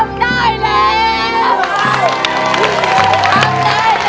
สวัสดีครับ